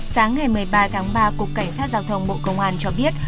sáng ngày một mươi ba tháng ba cục cảnh sát giao thông bộ công an cho biết